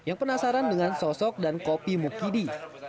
yang penasaran dengan sosok dan kopi mukidi